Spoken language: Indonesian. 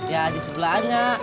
ya di sebelah aja